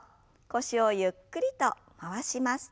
腰をゆっくりと回します。